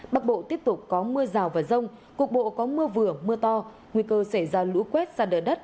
bắc bộ tiếp tục có mưa rào và rông cuộc bộ có mưa vừa mưa to nguy cơ xảy ra lũ quét ra đời đất